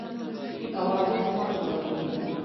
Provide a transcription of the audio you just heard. تواضع انسان لوړوي